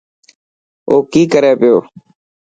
او ڪي ڪري پيو.